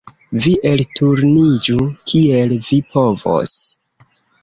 Vi elturniĝu kiel vi povos.